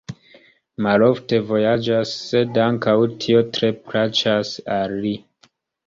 Malofte vojaĝas, sed ankaŭ tio tre plaĉas al li.